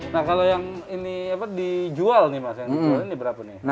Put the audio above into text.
nah kalau yang ini dijual nih mas yang dijual ini berapa nih